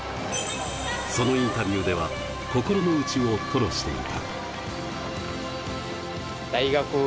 そのインタビューでは心の内を吐露していた。